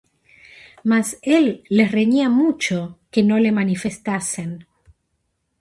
Mas él les reñía mucho que no le manifestasen.